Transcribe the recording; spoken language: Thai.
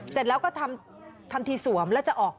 เสร็จแล้วก็ทำทีสวมแล้วจะออก